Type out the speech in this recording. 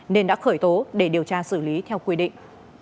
nên đã khởi tố để điều tra xử lý theo quy định